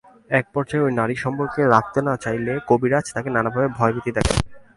একপর্যায়ে ওই নারী সম্পর্ক রাখতে না চাইলে কবিরাজ তাঁকে নানাভাবে ভয়ভীতি দেখান।